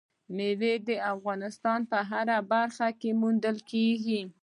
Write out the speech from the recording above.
مېوې د افغانستان په هره برخه کې موندل کېږي.